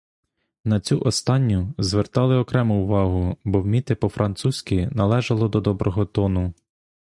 На цю останню звертали окрему увагу, бо вміти по-французьки належало до доброго тону.